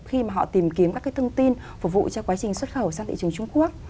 khi mà họ tìm kiếm các cái thông tin phục vụ cho quá trình xuất khẩu sang thị trường trung quốc